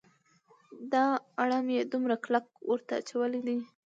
دا اړم یې دومره کلک ورته اچولی دی.